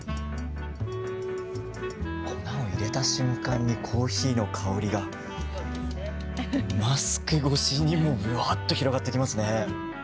粉を入れた瞬間にコーヒーの香りがマスク越しにもぶわっと広がってきますね。